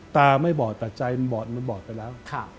ตาไม่บอดแต่ใจมันบอดมันบอดไปแล้ว